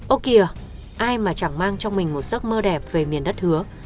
ô kìa ai mà chẳng mang trong mình một giấc mơ đẹp về miền đất hứa